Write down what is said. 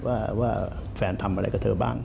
ว่าแฟนทำอะไรกับเธอบ้าง